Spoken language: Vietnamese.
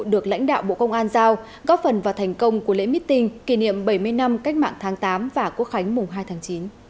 được lãnh đạo bộ công an giao góp phần vào thành công của lễ meeting kỷ niệm bảy mươi năm cách mạng tháng tám và quốc khánh mùng hai tháng chín